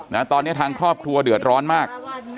นะตอนนี้ทางครอบครัวเดือดร้อนมาก